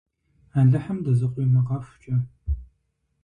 Алыхьым дызэкъуимыгъэхукӏэ!